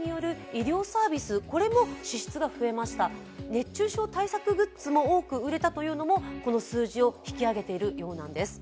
熱中症対策グッズも多く売れたというのもこの数字を引き上げているようなんです。